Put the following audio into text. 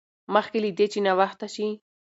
مخکې له دې چې ناوخته شي.